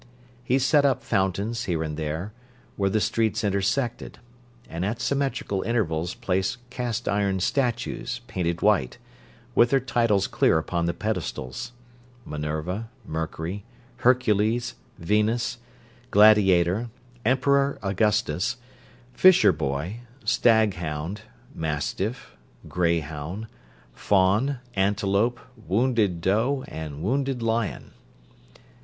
He set up fountains, here and there, where the streets intersected, and at symmetrical intervals placed cast iron statues, painted white, with their titles clear upon the pedestals: Minerva, Mercury, Hercules, Venus, Gladiator, Emperor Augustus, Fisher Boy, Stag hound, Mastiff, Greyhound, Fawn, Antelope, Wounded Doe, and Wounded Lion.